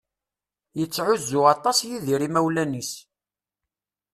Yettεuzzu aṭas Yidir imawlan-is.